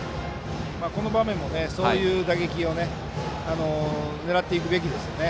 この場面もそういう打撃を狙っていくべきですね。